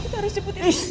kita harus cepet